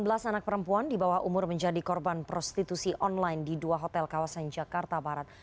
tujuh belas anak perempuan di bawah umur menjadi korban prostitusi online di dua hotel kawasan jakarta barat